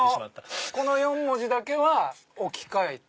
この４文字だけは置き換えて。